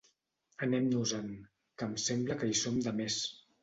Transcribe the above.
Anem-nos-en, que em sembla que hi som de més.